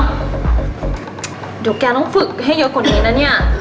เดี๋ยวแกต้องฝึกให้เยอะกว่านี้นะเนี่ย